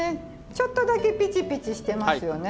ちょっとだけピチピチしてますよね。